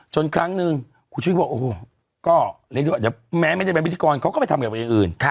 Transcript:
จนครั้งนึงคุณชุวิตก็บอกแม้ไม่เป็นพิธีกรเขาก็ไปทำกับคนอื่น